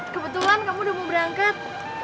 kebetulan kamu udah mau berangkat